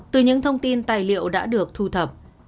từ những thông tin tài liệu đã được thu thập